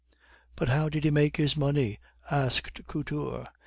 "But how did he make his money?" asked Couture.